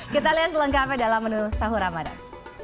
kita lihat selengkapnya dalam menu sahur ramadan